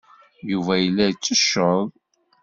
Yuba yella yettecceḍ.